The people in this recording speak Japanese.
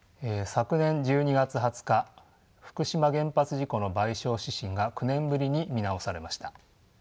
昨年１２月２０日福島原発事故の賠償指針が９年ぶりに見直されました。